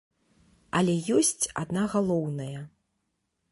Але ёсць адна галоўная.